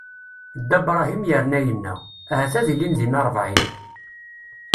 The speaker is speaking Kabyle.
Dda Bṛahim yerna yenna: Ahat ad ilin dinna ṛebɛin?